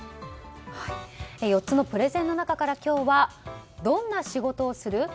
４つのプレゼンの中から今日はどんな仕事をする？